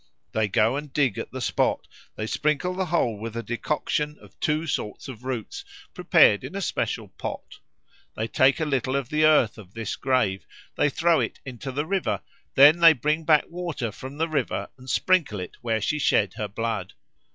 They go and dig at the spot, they sprinkle the hole with a decoction of two sorts of roots prepared in a special pot. They take a little of the earth of this grave, they throw it into the river, then they bring back water from the river and sprinkle it where she shed her blood.